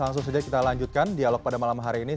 langsung saja kita lanjutkan dialog pada malam hari ini